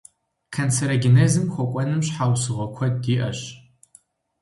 Канцерогенезым хуэкӀуэным щхьэусыгъуэ куэд иӀэщ.